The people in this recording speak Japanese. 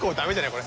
これ。